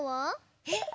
えっ⁉